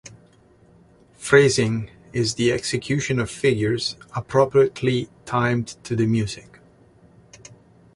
"Phrasing" is the execution of figures appropriately timed to the music.